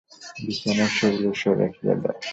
বিছানায় সেগুলি সে রাখিয়া দেয়।